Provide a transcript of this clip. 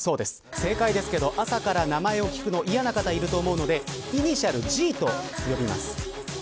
正解ですけど朝から名前を聞くの嫌な方もいると思うのでイニシャル、Ｇと呼びます。